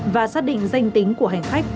và xác định danh tính của hành khách